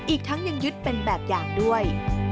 อีกทั้งยังยึดเป็นแบบอย่างด้วย